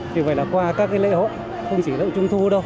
thì vậy là qua các cái lễ hội không chỉ lễ hội trung thu đâu